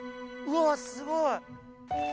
うわあすごい！